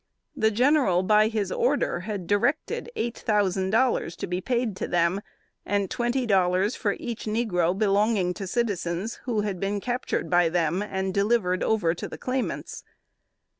The General, by his order, had directed eight thousand dollars to be paid to them, and twenty dollars for each negro belonging to citizens, who had been captured by them and delivered over to the claimants.